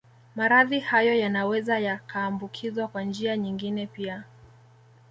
Maradhi hayo yanaweza yakaambukizwa kwa njia nyingine pia